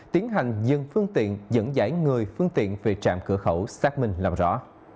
tiến hành dân phương tiện dẫn giải người phương tiện về trạm cửa khẩu xác minh làm rõ